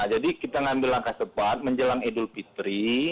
jadi kita mengambil langkah cepat menjelang idul fitri